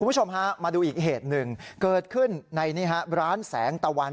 คุณผู้ชมฮะมาดูอีกเหตุหนึ่งเกิดขึ้นในนี่ฮะร้านแสงตะวัน